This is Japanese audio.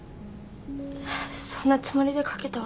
そんなつもりでかけたわけじゃ。